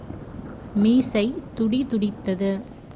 மீசை துடி துடித்தது.